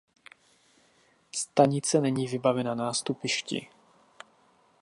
Stanice není vybavena nástupišti.